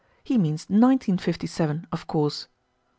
He means nineteen fifty seven, of course."